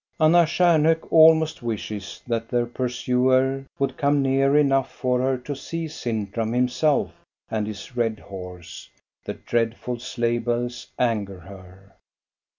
Anna Stjarnhok almost wishes that their pursuer would come near enough for her to see Sintram him self and his red horse. The dreadful sleigh bells anger her.